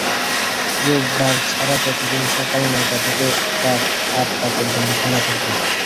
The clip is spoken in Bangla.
রোববার ছাড়া প্রতিদিন সকাল নয়টা থেকে রাত আটটা পর্যন্ত খোলা থাকবে।